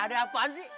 ada apa sih